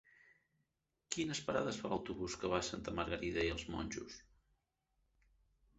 Quines parades fa l'autobús que va a Santa Margarida i els Monjos?